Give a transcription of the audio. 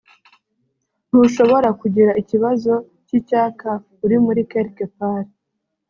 ntushobora kugira ikibazo cy'icyaka uri muri Quelque part